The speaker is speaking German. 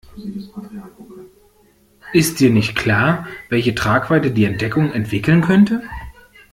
Ist dir nicht klar, welche Tragweite die Entdeckung entwickeln könnte?